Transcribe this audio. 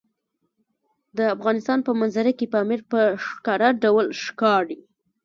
د افغانستان په منظره کې پامیر په ښکاره ډول ښکاري.